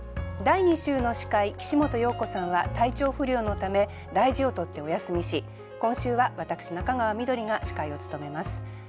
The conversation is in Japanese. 第２週の司会岸本葉子さんは体調不良のため大事を取ってお休みし今週は私中川緑が司会を務めます。